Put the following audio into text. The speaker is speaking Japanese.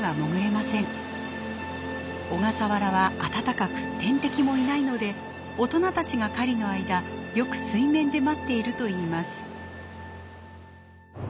小笠原は暖かく天敵もいないので大人たちが狩りの間よく水面で待っているといいます。